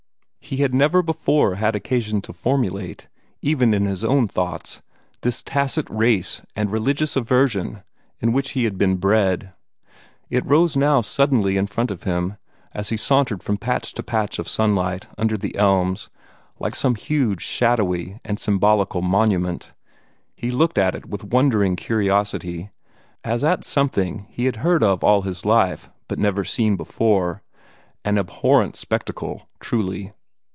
He had never before had occasion to formulate, even in his own thoughts, this tacit race and religious aversion in which he had been bred. It rose now suddenly in front of him, as he sauntered from patch to patch of sunlight under the elms, like some huge, shadowy, and symbolic monument. He looked at it with wondering curiosity, as at something he had heard of all his life, but never seen before an abhorrent spectacle, truly!